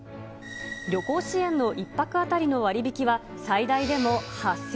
旅行支援の１泊当たりの割引は、最大でも８０００円。